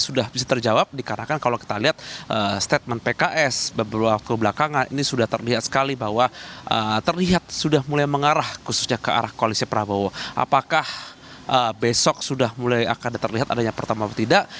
sudah mulai terlihat adanya pertemuan atau tidak